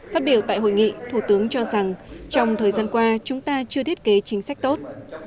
phát biểu tại hội nghị thủ tướng cho rằng trong thời gian qua chúng ta chưa thiết kế chính sách tốt